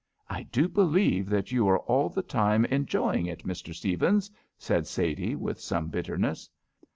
"I do believe that you are all the time enjoying it, Mr. Stephens," said Sadie, with some bitterness.